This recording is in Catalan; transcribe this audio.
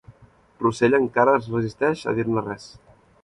Russell encara es resisteix a dir-ne res.